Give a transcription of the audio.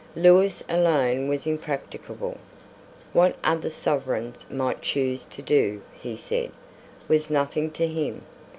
Lewis alone was impracticable. What other sovereigns might choose to do, he said, was nothing to him.